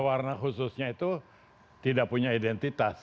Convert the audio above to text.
warna khususnya itu tidak punya identitas